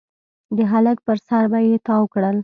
د هلک پر سر به يې تاو کړل.